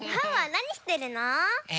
なにしてるの？え？